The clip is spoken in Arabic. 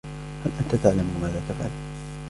هل أنت تعلم ماذا تفعل ؟